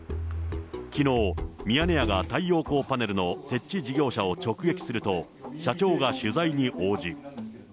きのう、ミヤネ屋が太陽光パネルの設置事業者を直撃すると、社長が取材に応じ。